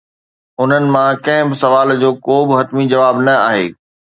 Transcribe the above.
انهن مان ڪنهن به سوال جو ڪو به حتمي جواب نه آهي.